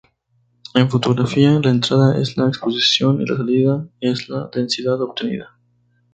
En fotografía, la entrada es la exposición y la salida es la densidad obtenida.